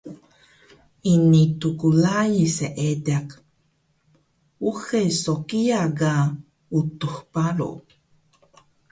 Ini tklai seediq, uxe so kiya ka Utux Baro